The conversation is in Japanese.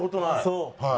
そう？